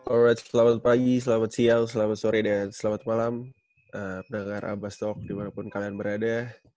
alright selamat pagi selamat siang selamat sore dan selamat malam pendengar abbas talk dimana pun kalian berada